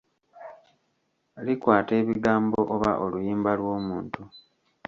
Likwata ebigambo oba oluyimba lw'omuntu.